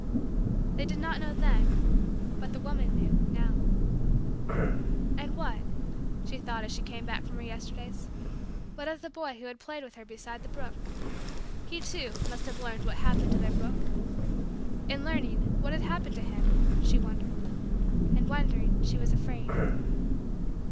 They did not know, then but the woman knew, now. And what she thought as she came back from her Yesterdays what of the boy who had played with her beside the brook? He, too, must have learned what happened to their brook. In learning, what had happened to him she wondered and wondering, she was afraid.